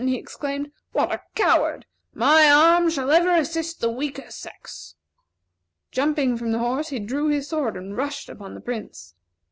he exclaimed. "What a coward! My arm shall ever assist the weaker sex." Jumping from the horse, he drew his sword, and rushed upon the Prince.